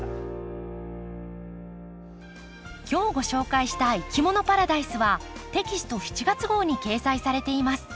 今日ご紹介した「いきものパラダイス」はテキスト７月号に掲載されています。